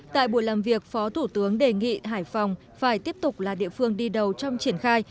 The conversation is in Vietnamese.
tại buổi làm việc phó thủ tướng đề nghị hải phòng phải tiếp tục là địa phương đi đầu trong triển khai